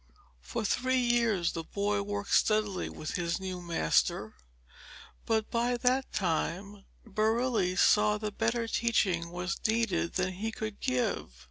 For three years the boy worked steadily with his new master, but by that time Barile saw that better teaching was needed than he could give.